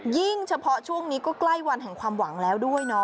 ยิ่งเฉพาะช่วงนี้ก็ใกล้วันของความหวังแล้วด้วย